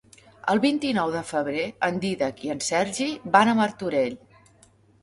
El vint-i-nou de febrer en Dídac i en Sergi van a Martorell.